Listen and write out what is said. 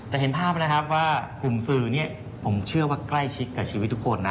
แต่เห็นภาพนะครับว่ากลุ่มสื่อเนี่ยผมเชื่อว่าใกล้ชิดกับชีวิตทุกคนนะ